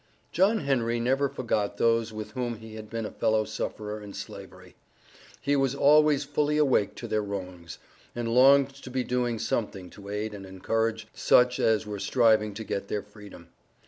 JOHN HENRY never forgot those with whom he had been a fellow sufferer in Slavery; he was always fully awake to their wrongs, and longed to be doing something to aid and encourage such as were striving to get their Freedom.